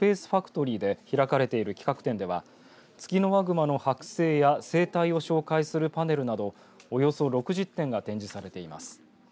ＳｐａｃｅＦａｃｔｏｒｙで開かれている企画展ではツキノワグマの剥製や生態を紹介するパネルなどおよそ６０点が展示されています。